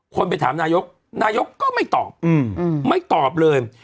คนไปถามนายกนายกก็ไม่ตอบไม่ตอบเลย